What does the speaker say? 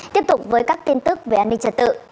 tiếp tục với các tin tức về an ninh trật tự